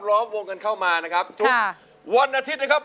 ล้อมวงกันเข้ามานะครับทุกวันอาทิตย์นะครับ